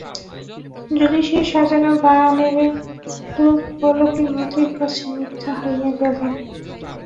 যোগেশের সাজানো বাগানের শোক পলকে মতির কাছে মিথ্যা হইয়া গেল।